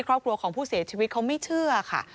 ครอบครัวของผู้เสียชีวิตเขาไม่เชื่อค่ะ